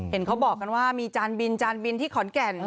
เห็นเขาบอกกันว่ามีจานบินจานบินที่ขอนแก่น